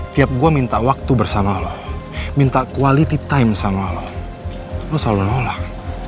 tiap gue minta waktu bersama lo minta quality time sama lo lo selalu nolak